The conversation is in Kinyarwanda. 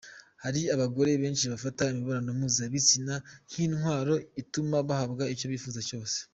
Hari abagore benshi bafata imibonano mpuzabitsina nk’intwaro ituma bahabwa icyo bifuza cyose.